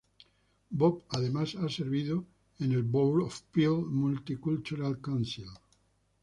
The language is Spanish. Bob además ha servido en el Board of Peel Multicultural Council.